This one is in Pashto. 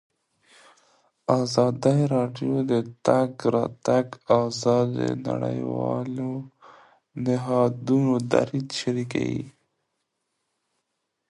ازادي راډیو د د تګ راتګ ازادي د نړیوالو نهادونو دریځ شریک کړی.